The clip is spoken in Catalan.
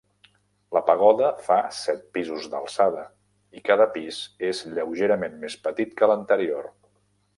La pagoda fa set pisos d'alçada i cada pis és lleugerament més petit que l'anterior.